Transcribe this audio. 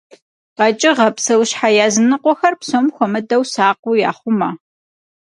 КъэкӀыгъэ, псэущхьэ языныкъуэхэр псом хуэмыдэу сакъыу яхъумэ.